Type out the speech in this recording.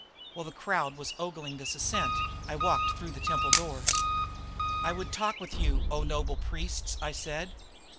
While the crowd was ogling this ascent, I walked through the temple doors. "I would talk with you, O noble priests," I said.